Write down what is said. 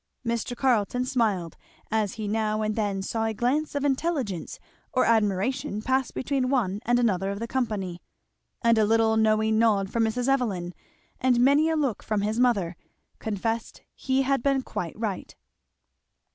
Mr. Carleton smiled as he now and then saw a glance of intelligence or admiration pass between one and another of the company; and a little knowing nod from Mrs. Evelyn and many a look from his mother confessed he had been quite right.